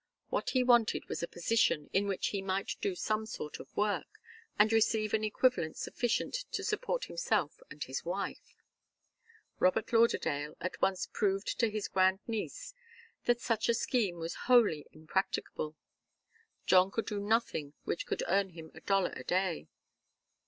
What he wanted was a position in which he might do some sort of work, and receive an equivalent sufficient to support himself and his wife. Robert Lauderdale at once proved to his grand niece that such a scheme was wholly impracticable. John could do nothing which could earn him a dollar a day.